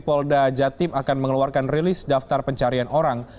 polda jatim akan mengeluarkan rilis daftar pencarian orang